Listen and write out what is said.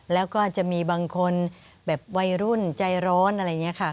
แล้วก็จะมีบางคนแบบวัยรุ่นใจร้อนอะไรอย่างนี้ค่ะ